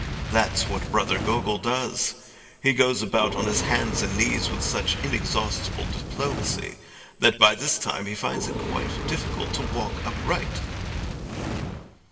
That's what Brother Gogol does. He goes about on his hands and knees with such inexhaustible diplomacy, that by this time he finds it quite difficult to walk upright."